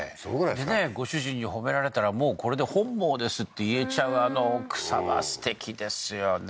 でねご主人に褒められたらもうこれで本望ですって言えちゃうあの奥さますてきですよね